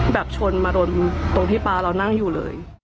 ชนมาโดนตรงที่ป๊าเรานั่งอยู่เลย